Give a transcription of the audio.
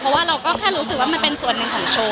เพราะว่าเราก็แค่รู้สึกว่ามันเป็นส่วนหนึ่งของโชว์